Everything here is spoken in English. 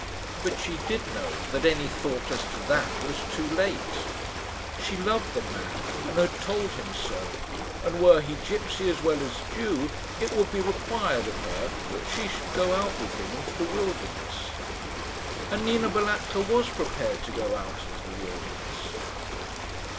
But she did know that any thought as to that was too late. She loved the man, and had told him so; and were he gipsy as well as Jew, it would be required of her that she should go out with him into the wilderness. And Nina Balatka was prepared to go out into the wilderness.